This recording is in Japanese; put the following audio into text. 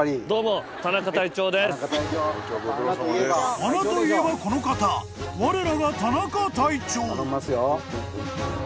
［穴といえばこの方われらが田中隊長］